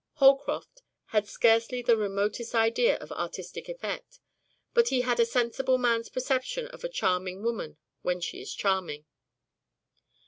Holcroft had scarcely the remotest idea of artistic effect, but he had a sensible man's perception of a charming woman when she is charming.